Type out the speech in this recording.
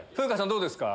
どうですか？